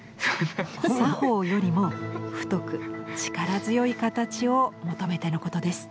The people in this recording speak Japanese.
作法よりも太く力強い形を求めてのことです。